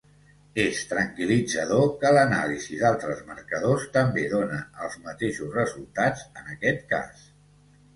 És tranquil·litzador que l'anàlisi d'altres marcadors també done els mateixos resultats en aquest cas.